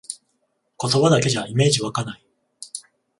言葉だけじゃイメージわかない